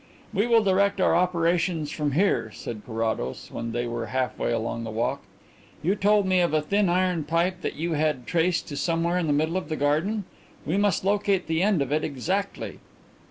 "We will direct our operations from here," said Carrados, when they were half way along the walk. "You told me of a thin iron pipe that you had traced to somewhere in the middle of the garden. We must locate the end of it exactly."